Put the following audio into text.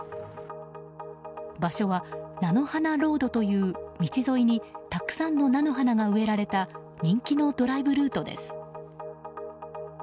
場所は菜の花ロードという道沿いにたくさんの菜の花が植えられた人気のドライブルートです。